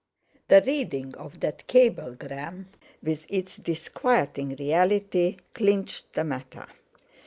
The reading of that cablegram, with its disquieting reality, clinched the matter.